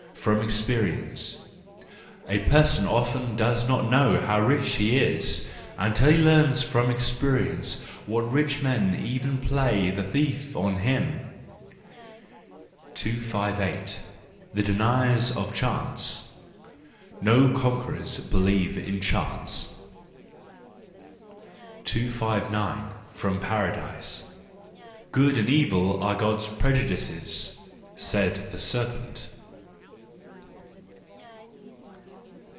From Experience .—A person often does not know how rich he is, until he learns from experience what rich men even play the thief on him. 258. The Deniers of Chance .—No conqueror believes in chance. 259. From Paradise. —"Good and Evil are God's prejudices "—said the serpent.